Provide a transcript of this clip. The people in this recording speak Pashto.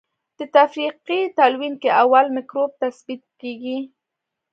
په تفریقي تلوین کې اول مکروب تثبیت کیږي.